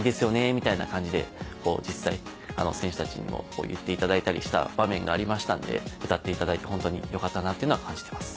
みたいな感じで実際選手たちにも言っていただいたりした場面がありましたんで歌っていただいて本当に良かったっていうのは感じてます。